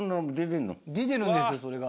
出てるんですそれが。